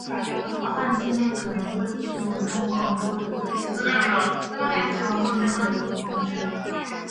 泛性恋可能会自称为泛性恋或将自己做为双性恋的一个分支。